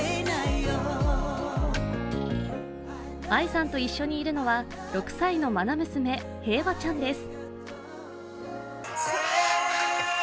ＡＩさんと一緒にいるのは６歳のまな娘、平和ちゃんです。